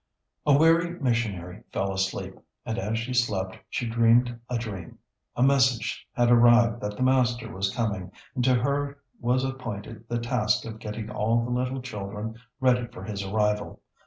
] A weary missionary fell asleep, and as she slept she dreamed a dream. A message had arrived that the Master was coming, and to her was appointed the task of getting all the little children ready for His arrival.